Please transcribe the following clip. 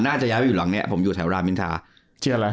น่าจะย้าวอยู่หลังเนี้ยผมอยู่แถวราชบินทราเชียร์อะไร